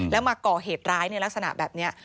แล้วมาก่อเหตุร้ายในลักษณะแบบนี้